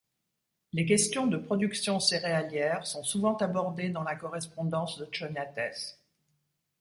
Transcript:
Les questions de production céréalière sont souvent abordées dans la correspondance de Choniatès.